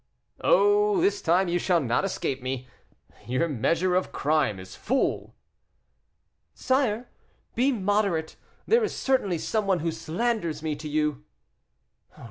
"Oh! this time you shall not escape me; your measure of crime is full." "Sire, be moderate; there is certainly some one who slanders me to you."